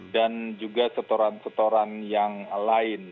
dan juga setoran setoran yang lain